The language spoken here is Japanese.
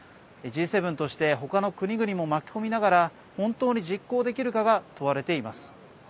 Ｇ７としてほかの国々も巻き込みながら本当に実行できるかが問われています。